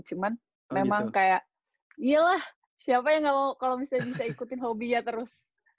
cuman memang kayak iyalah siapa yang gak mau kalau bisa ikutin hobinya terus